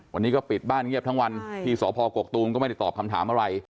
วันนี้ก็ปิดบ้านเงียบทั้งวันที่สพกกตูมก็ไม่ได้ตอบคำถามอะไร